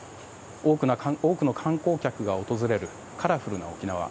多くの観光客が訪れるカラフルな沖縄。